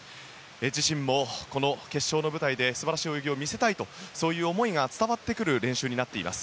自身もこの決勝の舞台で素晴らしい泳ぎを見せたいとそういう思いが伝わってくる練習となっています。